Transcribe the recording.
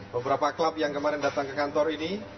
beberapa klub yang kemarin datang ke kantor ini